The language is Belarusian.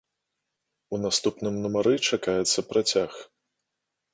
У наступным нумары чакаецца працяг.